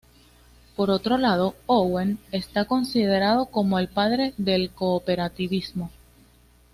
Por otro lado Owen está considerado como el padre del cooperativismo.